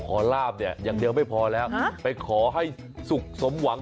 ลาบเนี่ยอย่างเดียวไม่พอแล้วไปขอให้สุขสมหวัง